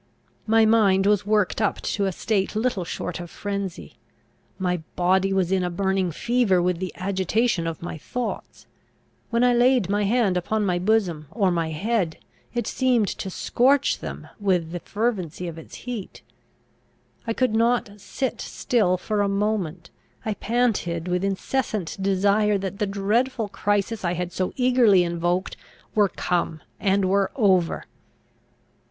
My mind was worked up to a state little short of frenzy. My body was in a burning fever with the agitation of my thoughts. When I laid my hand upon my bosom or my head, it seemed to scorch them with the fervency of its heat. I could not sit still for a moment. I panted with incessant desire that the dreadful crisis I had so eagerly invoked, were come, and were over.